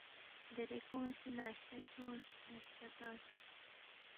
دیرے کھون٘ی سی ناشتہ کھیونگس، ناشتہ تنگس